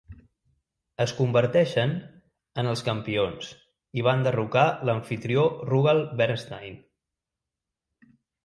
Es converteixen en els campions i van derrocar l'amfitrió Rugal Bernstein.